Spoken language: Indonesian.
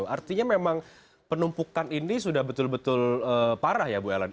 artinya memang penumpukan ini sudah betul betul parah ya bu ellen